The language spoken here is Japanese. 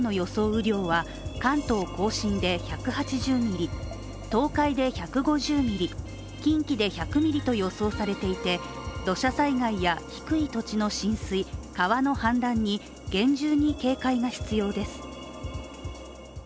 雨量は関東甲信で１８０ミリ、東海で１５０ミリ、近畿で１００ミリと予想されていて土砂災害や低い土地の浸水川の氾濫に厳重に警戒が必要です。